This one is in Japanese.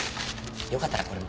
よかったらこれも。